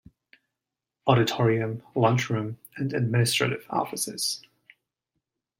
Auditorium, lunch room, and administrative offices.